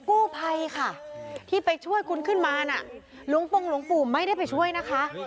กู้ภัยค่ะที่ไปช่วยคุณขึ้นมาน่ะหลวงปงหลวงปู่ไม่ได้ไปช่วยนะคะ